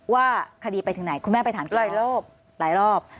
ว่าคดีไปถึงไหนคุณแม่ไปถามหลายรอบหลายรอบ